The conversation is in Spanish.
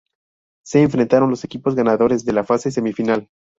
Se enfrentaron los equipos ganadores de la fase semifinal.